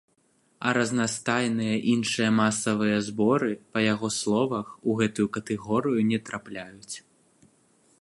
А разнастайныя іншыя масавыя зборы, па яго словах, у гэтую катэгорыю не трапляюць.